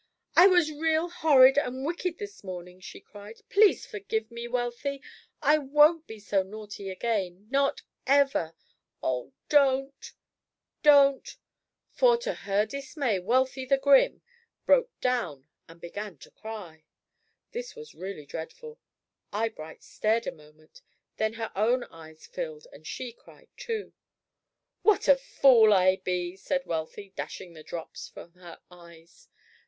"I was real horrid and wicked this morning," she cried. "Please forgive me, Wealthy. I won't be so naughty again not ever. Oh, don't, don't!" for, to her dismay, Wealthy, the grim, broke down and began to cry. This was really dreadful. Eyebright stared a moment; then her own eyes filled, and she cried, too. "What a fool I be!" said Wealthy, dashing the drops from her eyes.